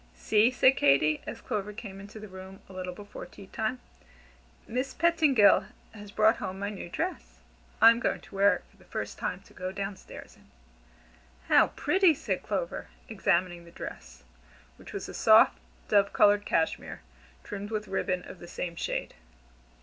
"See," said Katy, as Clover came into the room a little before tea time. "Miss Petingill has brought home my new dress. I'm going to wear it for the first time to go down stairs in." "How pretty!" said Clover, examining the dress, which was a soft, dove colored cashmere, trimmed with ribbon of the same shade.